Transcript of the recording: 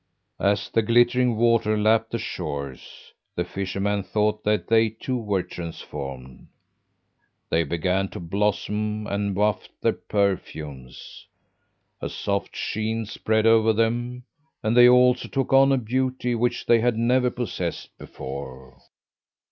"As the glittering water lapped the shores, the fisherman thought that they too were transformed. They began to blossom and waft their perfumes. A soft sheen spread over them and they also took on a beauty which they had never possessed before.